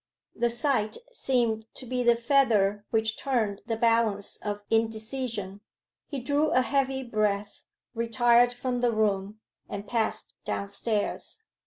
The sight seemed to be the feather which turned the balance of indecision: he drew a heavy breath, retired from the room, and passed downstairs.